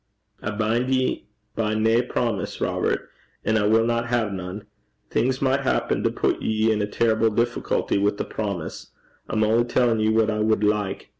I bind ye by nae promise, Robert, an' I winna hae nane. Things micht happen to put ye in a terrible difficulty wi' a promise. I'm only tellin' ye what I wad like.